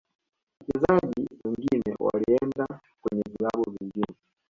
wachezaji wengine walienda kwenye vilabu vingine